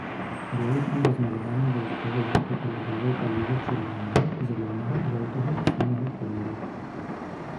Белы фон размаляваны дадаткова яркай каляровай палівай чырвонага, зялёнага, жоўтага і сіняга колераў.